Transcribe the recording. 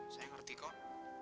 saya ngerti kok